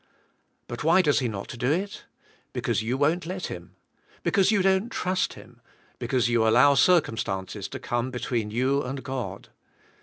But why does He not do it ? Because you won't let Him. Because you don't trust Him. Because you allow circum stances to come between you and God.